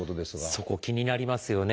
そこ気になりますよね。